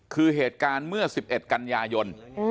คือเหตุการณ์เมื่อ๑๑กันยายน